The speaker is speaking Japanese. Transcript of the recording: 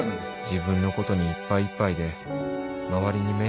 自分のことにいっぱいいっぱいで周りに迷惑かけて